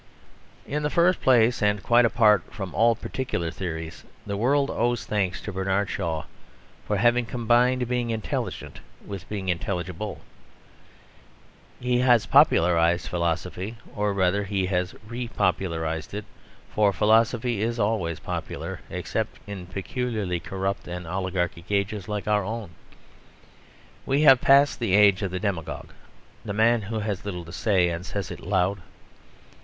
In the first place, and quite apart from all particular theories, the world owes thanks to Bernard Shaw for having combined being intelligent with being intelligible. He has popularised philosophy, or rather he has repopularised it, for philosophy is always popular, except in peculiarly corrupt and oligarchic ages like our own. We have passed the age of the demagogue, the man who has little to say and says it loud.